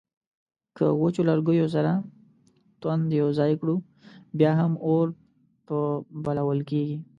که وچو لرګیو سره توند یو ځای کړو بیا هم اور په بلول کیږي